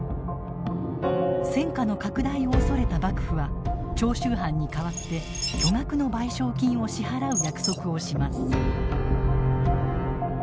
戦火の拡大を恐れた幕府は長州藩に代わって巨額の賠償金を支払う約束をします。